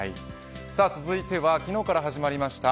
続いては昨日から始まりました